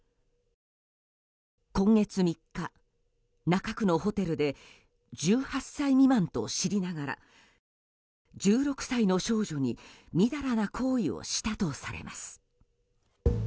今月３日、中区のホテルで１８歳未満と知りながら１６歳の少女にみだらな行為をしたとされます。